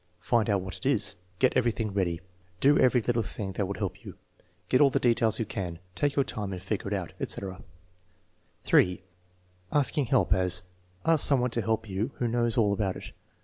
"Find out what it is." "Get everything ready." "Do every little thing that would help you." "Get all the details you can." "Take your time and figure it out," etc. (3) Asking help; as: "Ask some one to help you who knows all about it."